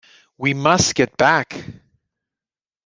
We must get back!